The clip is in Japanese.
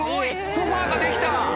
ソファができた！